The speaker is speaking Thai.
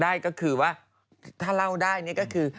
ได้ก็คือว่าถ้าเล่าได้นี่ก็คือ